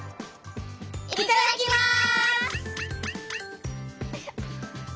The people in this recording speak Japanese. いただきます！